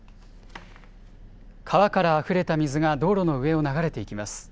川からあふれた水が道路の上を流れていきます。